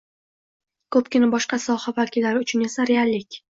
Ko‘pgina boshqa soha vakillari uchun esa reallik